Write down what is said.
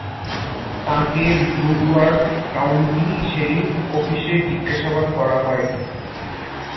তাঁকে Broward county sheriff অফিসে জিজ্ঞাসাবাদ করা হয়।